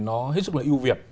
nó hết sức là yêu việt